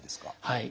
はい。